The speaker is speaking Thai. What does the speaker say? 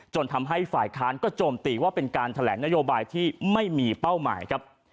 ทำให้ฝ่ายค้านก็โจมตีว่าเป็นการแถลงนโยบายที่ไม่มีเป้าหมายครับ